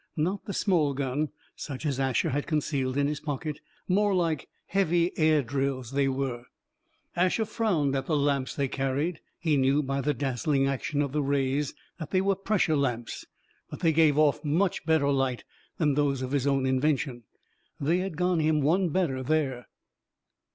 Not the small gun, such as Asher had concealed in his pocket. More like heavy air drills, they were. Asher frowned at the lamps they carried. He knew by the dazzling action of the rays that they were pressure lamps. But they gave off much better light than those of his own invention. They had gone him one better there.